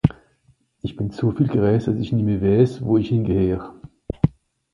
Isch bin so viel gereist, dass i nemme weiss, wo isch hingehöre